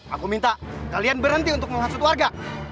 aku minta kalian berhenti untuk menghasut warga